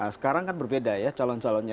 sekarang kan berbeda ya calon calonnya